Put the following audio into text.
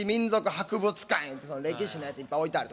博物館歴史のやついっぱい置いてある。